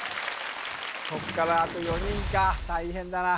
こっからあと４人か大変だな